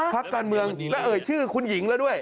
พักการเมืองและเอ่ยชื่อคุณหญิงแล้วด้วย